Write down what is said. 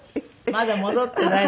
まだ戻ってないのに。